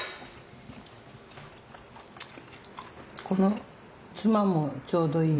このつまもちょうどいい。